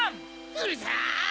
うるさい！